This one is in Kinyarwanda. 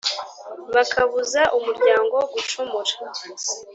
bakabuza umuryango gucumura,